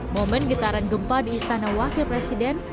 momen getaran gempa di istana wakil presiden